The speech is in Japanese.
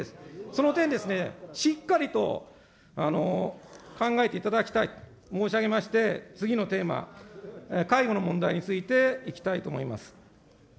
その点、しっかりと考えていただきたいと申し上げまして、次のテーマ、介護の問題についていきたいと思います。